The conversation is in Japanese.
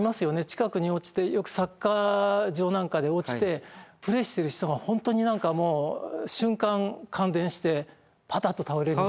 近くに落ちてよくサッカー場なんかで落ちてプレーしてる人が本当に何かもう瞬間感電してパタッと倒れる。